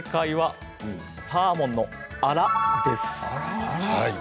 サーモンのアラです。